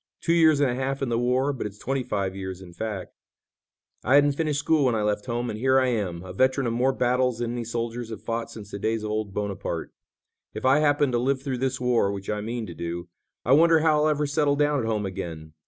Two years and a half in the war, but it's twenty five years in fact. I hadn't finished school when I left home and here I am, a veteran of more battles than any soldiers have fought since the days of old Bonaparte. If I happen to live through this war, which I mean to do, I wonder how I'll ever settle down at home again.